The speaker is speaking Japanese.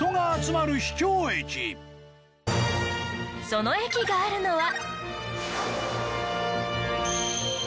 その駅があるのは。